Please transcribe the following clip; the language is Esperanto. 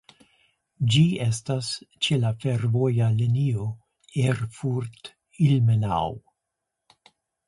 Ĝi estas ĉe la fervoja linio Erfurt–Ilmenau.